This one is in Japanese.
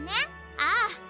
ああ。